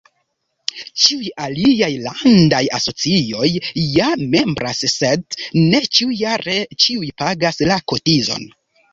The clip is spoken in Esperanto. Ĉiuj aliaj landaj asocioj ja membras sed ne ĉiujare ĉiuj pagas la kotizon.